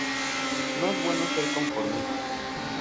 No es bueno ser conformista.